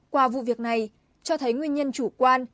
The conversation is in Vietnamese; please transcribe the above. qua vụ việc này cho thấy nguyên nhân chủ quan